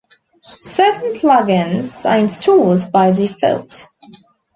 Certain plug-ins are installed by default.